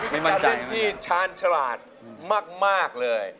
เป็นวิธีที่ชาญฉลาดมากเลย